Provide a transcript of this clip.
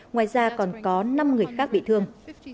ngoài ra còn có năm người khác bị thương